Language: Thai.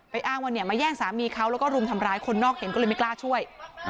อ้างว่าเนี่ยมาแย่งสามีเขาแล้วก็รุมทำร้ายคนนอกเห็นก็เลยไม่กล้าช่วย